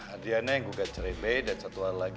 adriana yang gugat cerai bay dan satu orang lagi